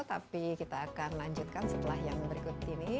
tapi kita akan lanjutkan setelah yang berikut ini